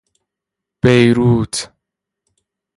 بیروت